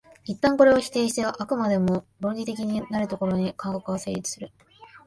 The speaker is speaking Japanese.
一旦これを否定して飽くまでも理論的になるところに科学は成立する。